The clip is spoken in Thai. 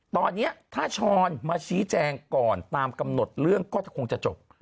ตอนนี้ถ้าช้อนมาชี้แจงก่อนตามกำหนดเรื่องก็คงจะจบ